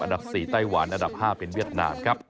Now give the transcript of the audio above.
๔ไต้หวันอันดับ๕เป็นเวียดนามครับ